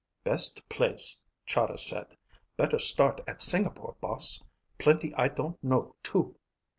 "Best place," Chahda said. "Better start at Singapore, boss. Plenty I don't know, too."